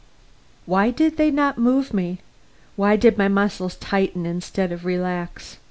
Why did they not move me? Why did my muscles tighten instead of relax?